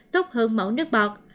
tốt hơn mẫu nước bọt